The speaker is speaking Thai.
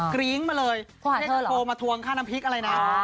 กริ้งมาเลยแค่โทรมาทวงค่าน้ำพริกอะไรนะ